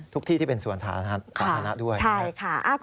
ที่ที่เป็นส่วนสาธารณะด้วยใช่ค่ะ